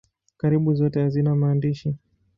Karibu zote hazina maandishi.